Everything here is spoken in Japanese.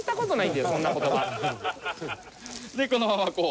でこのままこう。